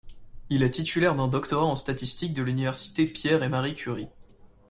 Il est titulaire d’un doctorat en statistiques de l’université Pierre-et-Marie-Curie.